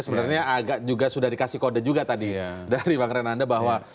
sebenarnya agak juga sudah dikasih kode juga tadi dari bang renanda bahwa